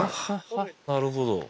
なるほど。